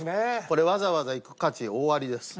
これわざわざ行く価値大ありです。